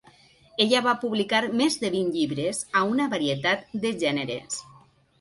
Ella va publicar més de vint llibres, a una varietat de gèneres.